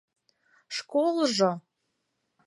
— Школжо!